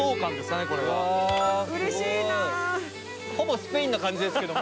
スペインな感じですけども。